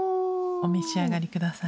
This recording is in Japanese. お召し上がり下さい。